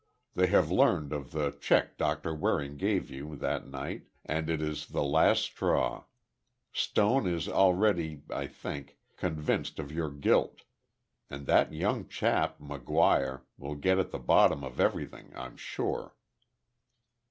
They have learned of the check Doctor Waring gave you that night, and it is the last straw. Stone is already, I think, convinced of your guilt, and that young chap, McGuire, will get at the bottom of everything, I'm sure."